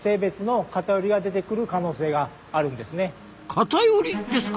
偏りですか？